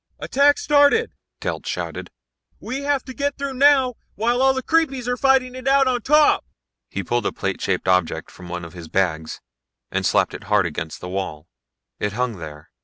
"Attack's started," Telt shouted. "We have to get through now, while all the creepies are fighting it out on top." He pulled a plate shaped object from one of his bags and slapped it hard against the wall. It hung there.